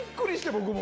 僕も。